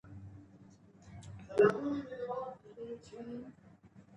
د خلکو او نظام ترمنځ واټن مه پرېږدئ.